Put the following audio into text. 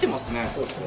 そうですね。